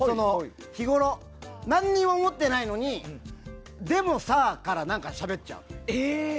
日頃、何も思ってないのにでもさあからしゃべっちゃう。